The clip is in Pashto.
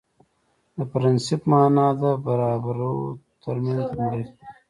د پرنسېپ معنا ده برابرو ترمنځ لومړی